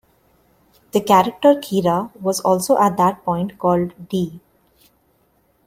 The character Kira was also at that point called Dee.